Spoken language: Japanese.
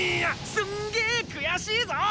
すんげー悔しいぞ！